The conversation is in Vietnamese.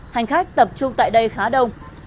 hành khách tập trung tại đây khá đông